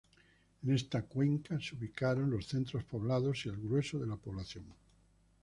En esta cuenca se ubican los centros poblados y el grueso de la población.